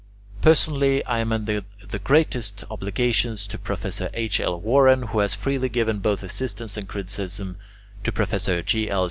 Personally I am under the greatest obligations to Professor H. L. Warren, who has freely given both assistance and criticism; to Professor G. L.